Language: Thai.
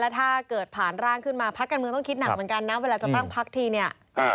ถ้าเกิดผ่านร่างขึ้นมาพักการเมืองต้องคิดหนักเหมือนกันนะเวลาจะตั้งพักทีเนี่ย